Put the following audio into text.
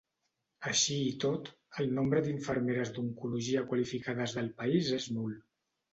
Així i tot, el nombre d'infermeres d'oncologia qualificades del país és nul.